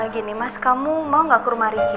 gini mas kamu mau gak ke rumah ricky